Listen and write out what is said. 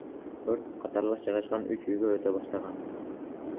Өрт катарлаш жайгашкан үч үйгө өтө баштаган.